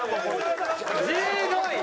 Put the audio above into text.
１５位。